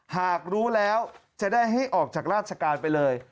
หากรู้แล้วจะได้ให้ออกจากราชการไปเลย